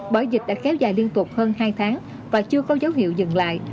bởi dịch đã kéo dài liên tục hơn hai tháng và chưa có dấu hiệu dừng lại